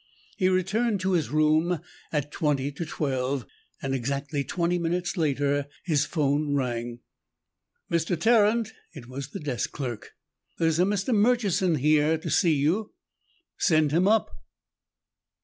He returned to his room at twenty to twelve, and exactly twenty minutes later his phone rang. "Mr. Tarrant," it was the desk clerk, "there's a Mr. Murchison here to see you." "Send him in."